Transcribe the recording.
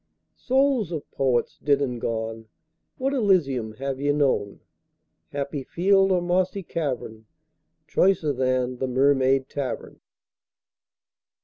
Souls of Poets dead and gone, What Elysium have ye known, Happy field or mossy cavern, Choicer than the Mermaid Tavern?